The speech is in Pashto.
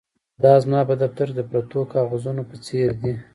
دا زما په دفتر کې د پرتو کاغذونو په څیر دي